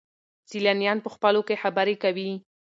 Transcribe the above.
سیلانیان په خپلو کې خبرې کوي.